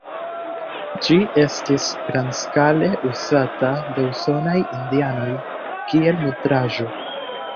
Ĝi estis grandskale uzata de usonaj indianoj kiel nutraĵo.